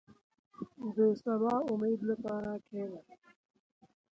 • د سبا د امید لپاره کښېنه.